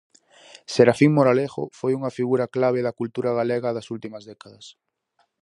Serafín Moralejo foi unha figura clave da cultura galega das últimas décadas.